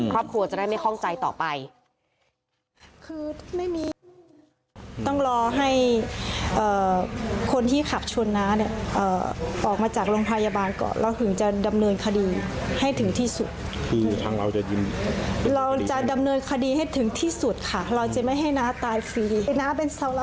ครอบครัวจะได้ไม่คล่องใจต่อไป